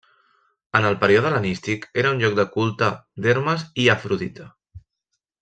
En el període hel·lenístic era un lloc de culte d'Hermes i Afrodita.